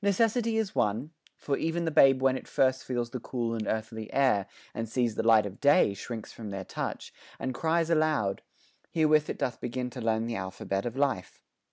Necessity is one; For e'en the babe when first it feels the cool And earthly air, and sees the light of day, Shrinks from their touch, and cries aloud herewith It doth begin to learn the alphabet Of life.